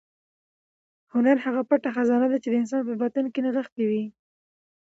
هنر هغه پټه خزانه ده چې د انسان په باطن کې نغښتې وي.